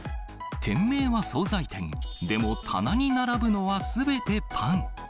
店名は惣菜店、でも棚に並ぶのは、すべてパン。